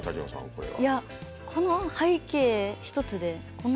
これは。